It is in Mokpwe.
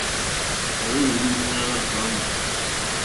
À hwélì ndí múɲánà ɡbwámù.